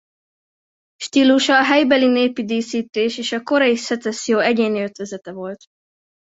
Stílusa a helybeli népi díszítés és a korai szecesszió egyéni ötvözete volt.